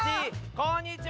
こんにちは！